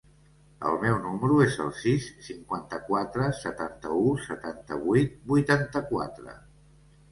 El meu número es el sis, cinquanta-quatre, setanta-u, setanta-vuit, vuitanta-quatre.